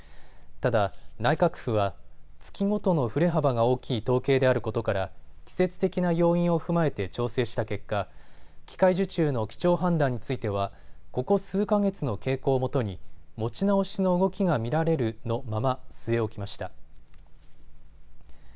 ただ、内閣府は月ごとの振れ幅が大きい統計であることから季節的な要因を踏まえて調整した結果、機械受注の基調判断についてはここ数か月の傾向をもとに持ち直しの動きが見られるのまま据え置きました。